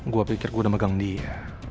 gue pikir gue udah megang dia